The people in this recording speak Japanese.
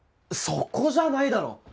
そこじゃないだろ！